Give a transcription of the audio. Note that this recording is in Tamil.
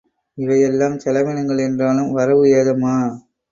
இவையெல்லாம் செலவினங்கள் என்றாலும் வரவு ஏதம்மா?